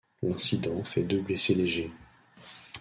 L'incident fait deux blessés légers.